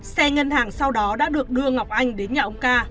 xe ngân hàng sau đó đã được đưa ngọc anh đến nhà ông ca